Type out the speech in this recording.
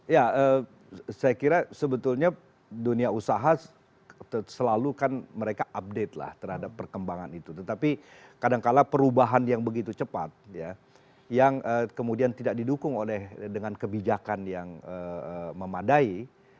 ya saya kira sebetulnya dunia usaha selalu kan mereka update lah terhadap perkembangan itu tetapi kadangkala perubahan yang begitu cepat ya yang kemudian tidak didukung oleh dengan kebijakan yang memadai